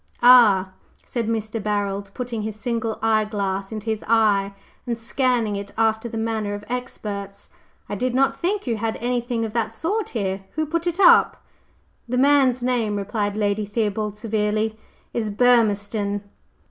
"Ah!" said Mr. Barold, putting his single eyeglass into his eye, and scanning it after the manner of experts. "I did not think you had any thing of that sort here. Who put it up?" "The man's name," replied Lady Theobald severely, "is Burmistone."